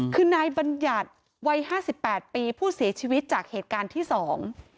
คือนายบัญญัติวัยห้าสิบแปดปีผู้เสียชีวิตจากเหตุการณ์ที่สอง